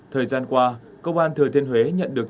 thời gian qua công an thừa thiên huế nhận được nhiều thông tin